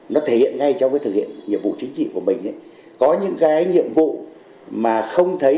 nó thể hiện ngay trong cái thực hiện nhiệm vụ chính trị của mình có những cái nhiệm vụ mà không thấy